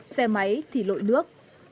xe máy thì lội nước